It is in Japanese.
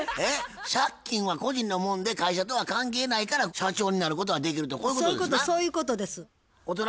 借金は個人のもんで会社とは関係ないから社長になることはできるとこういうことですな？